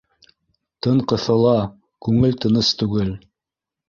Тын ҡыҫыла, күңел тыныс түгел.